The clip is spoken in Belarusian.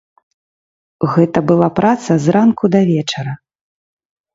Гэта была праца з ранку да вечара.